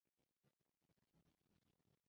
Ammam yana jimib qoldi.